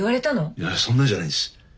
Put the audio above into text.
いやそんなんじゃないんです。